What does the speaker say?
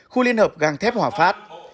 khu liên hợp găng thép hỏa phát